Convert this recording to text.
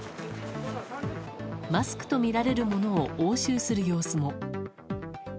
マスクとみられるものを押収する様子も。